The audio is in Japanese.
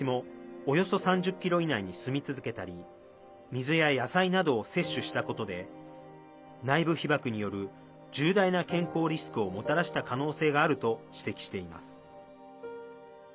およそ３０ｋｍ以内に住み続けたり水や野菜などを摂取したことで内部被ばくによる重大な健康リスクをもたらした可能性があると指摘しています。